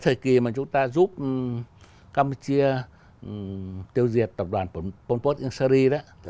thời kỳ mà chúng ta giúp campuchia tiêu diệt tập đoàn pol pot yung seri đó